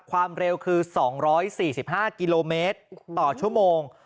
ความเร็วคือ๒๔๕กิโลเมตรต่อชั่วโมง